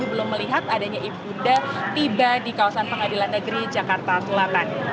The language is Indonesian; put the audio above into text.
belum melihat adanya ibunda tiba di kawasan pengadilan negeri jakarta selatan